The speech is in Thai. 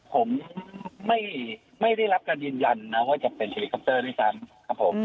ผมไม่ได้รับการยืนยันนะว่าจะเป็นเฮลิคอปเตอร์ด้วยซ้ำครับผม